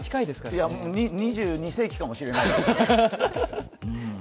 いや、２２世紀かもしれないですね。